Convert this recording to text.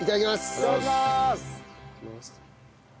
いただきます。